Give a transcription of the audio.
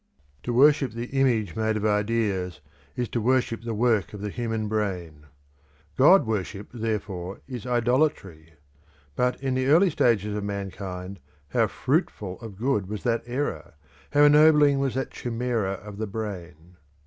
To worship the image made of ideas is to worship the work of the human brain. God worship, therefore, is idolatry; but in the early ages of mankind how fruitful of good was that error, how ennobling was that chimera of the brain!